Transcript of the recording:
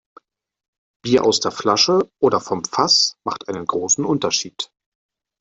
Bier aus der Flasche oder vom Fass macht einen großen Unterschied.